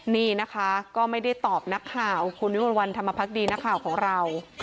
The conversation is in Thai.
นี่นะคะก็ไม่ได้ตอบนักข่าวคุณวิมวลวันธรรมพักดีนักข่าวของเรา